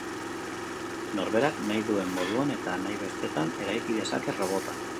Norberak nahi duen moduan eta nahi bestetan eraiki dezake robota.